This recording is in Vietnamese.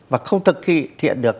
và không thực hiện được